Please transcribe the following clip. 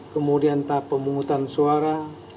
kemudian tahap pemungutan suara